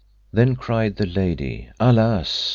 Then cried the lady, Alas!